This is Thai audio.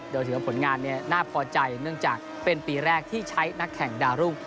โดยถือว่าผลงานน่าพอใจเนื่องจากเป็นปีแรกที่ใช้นักแข่งดาวรุ่ง